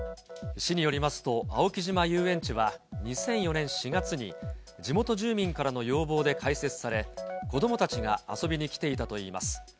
市によりますと、青木島遊園地は、２００４年４月に地元住民からの要望で開設され、子どもたちが遊びに来ていたといいます。